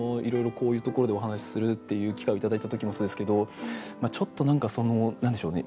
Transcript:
こういうところでお話しするっていう機会を頂いた時もそうですけどちょっと何か何でしょうね